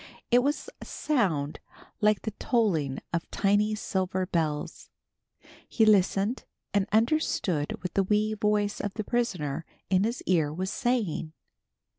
It was a sound like the tolling of tiny silver bells. He listened and understood what the wee voice of the prisoner in his ear was saying.